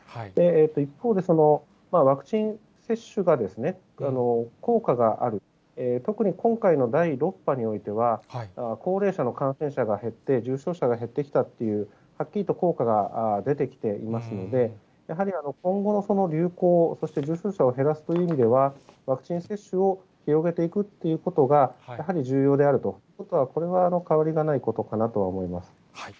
一方で、ワクチン接種がですね、効果がある、特に今回の第６波においては、高齢者の感染者が減って、重症者が減ってきたという、はっきりと効果が出てきていますので、やはり今後の流行、そして重症者を減らすという意味では、ワクチン接種を広げていくっていうことが、やはり重要であると、これは変わりがないことかなとは思います。